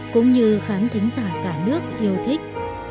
cũng như khán thính giả cả nước yêu thích